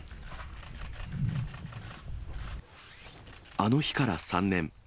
あの日から３年。